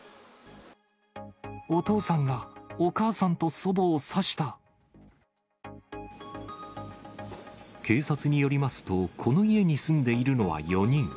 お父さんが、お母さんと祖母警察によりますと、この家に住んでいるのは４人。